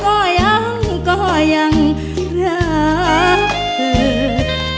ก็ยังก็ยังรักเธอ